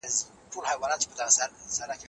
هغه څوک چې په پاکوالي باور لري، تل روغ وي.